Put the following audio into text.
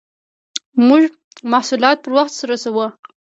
موږ محصولات پر وخت رسوو.